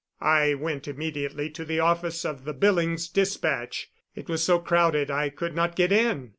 I went immediately to the office of the Billings Dispatch. It was so crowded I could not get in.